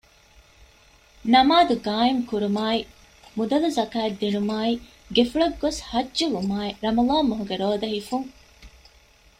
ނަމާދު ޤާއިމު ކުރުމާއި މުދަލު ޒަކާތް ދިނުމާއި ގެފުޅަށް ގޮސް ޙައްޖުވުމާއި ރަމަޟާން މަހުގެ ރޯދަ ހިފުން